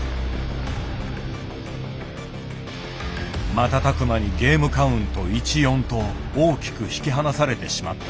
瞬く間にゲームカウント１ー４と大きく引き離されてしまった。